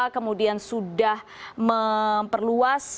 kemudian sudah memperkenalkan